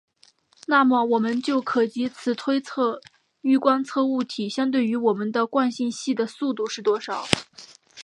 那么我们就可藉此推测欲观测物体相对于我们的惯性系的速度是多少。